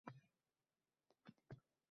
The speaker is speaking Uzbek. Aniq javobga keladigan bo‘lsak